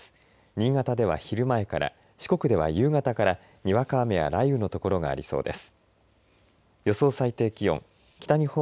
新潟では昼前から四国では夕方からにわか雨や雷雨のところがありそうです。